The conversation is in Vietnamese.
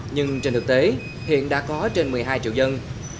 nhưng trên thực tế hiện đã có trên một mươi hai triệu dân